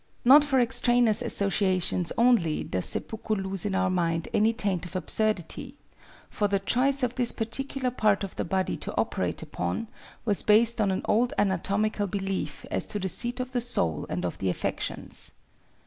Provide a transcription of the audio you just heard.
Not for extraneous associations only does seppuku lose in our mind any taint of absurdity; for the choice of this particular part of the body to operate upon, was based on an old anatomical belief as to the seat of the soul and of the affections.